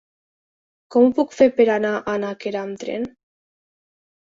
Com ho puc fer per anar a Nàquera amb tren?